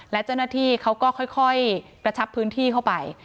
และเจ้าหน้าที่เขาก็ค่อยกระชับพื้นที่เข้าไป